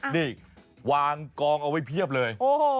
นี่วางกองเอาไว้เพียบเลย